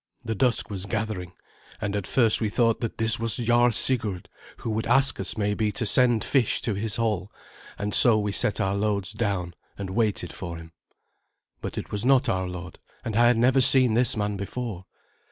The dusk was gathering, and at first we thought that this was Jarl Sigurd, who would ask us maybe to send fish to his hall, and so we set our loads down and waited for him. But it was not our lord, and I had never seen this man before.